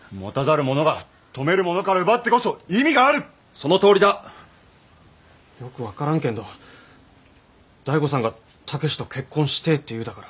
そのとおりだ！よく分からんけんど醍醐さんが武と結婚してえって言うだから。